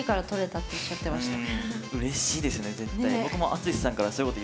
うれしいですね絶対。